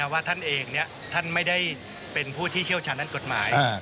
ว่าท่านเองท่านไม่ได้เป็นผู้ที่เชี่ยวชาญด้านกฎหมาย